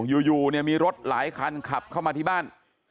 อยู่เนี่ยมีรถหลายคันขับเข้ามาที่บ้าน